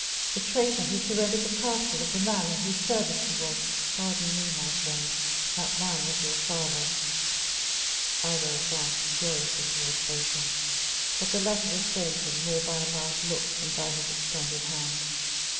"The traitor who surrendered the castle of the man in whose service he was——" "Pardon me, my friend, that man was your father!" Albert advanced furiously towards Beauchamp, but the latter restrained him more by a mild look than by his extended hand.